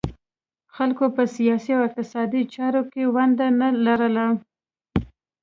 خلکو په سیاسي او اقتصادي چارو کې ونډه نه لرله